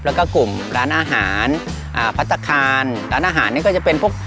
แล้วก็กลุ่มร้านอาหารอ่าพัฒนาคารร้านอาหารนี่ก็จะเป็นพวก